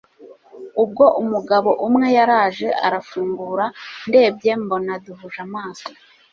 ubwo umugabo umwe yaraje arafungura ndebye mbona duhuje amaso